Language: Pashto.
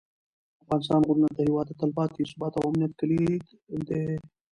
د افغانستان غرونه د هېواد د تلپاتې ثبات او امنیت کلیدي دي.